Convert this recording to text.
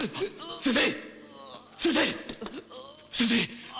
先生！